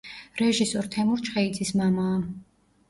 რეჟისორ თემურ ჩხეიძის მამაა.